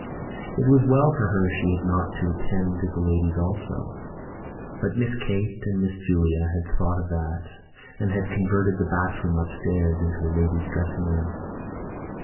It was well for her she had not to attend to the ladies also. But Miss Kate and Miss Julia had thought of that and had converted the bathroom upstairs into a ladies' dressing room.